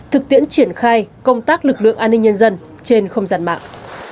thực tiễn triển khai công tác lực lượng an ninh nhân dân trên không gian mạng